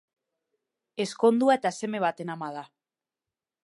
Ezkondua eta seme baten ama da.